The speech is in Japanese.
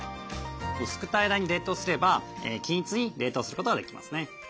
薄く平らに冷凍すれば均一に冷凍することができますね。